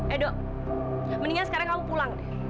edo mendingan sekarang kamu pulang